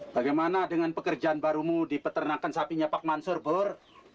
bagaimana dengan pekerjaan barumu di peternakan sapinya pak mansur bor